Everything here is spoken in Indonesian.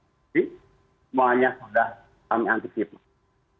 jadi semuanya sudah kami antisipasi